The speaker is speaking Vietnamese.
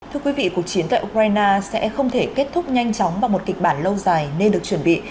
thưa quý vị cuộc chiến tại ukraine sẽ không thể kết thúc nhanh chóng bằng một kịch bản lâu dài nên được chuẩn bị